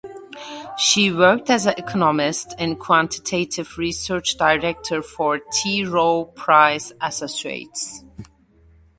She worked as an economist and quantitative research director for T. Rowe Price Associates.